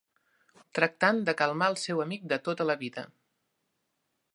...tractant de calmar al seu amic de tota la vida.